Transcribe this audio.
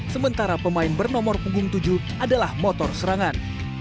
sementara pemain bernomor punggung tujuh adalah motor serangan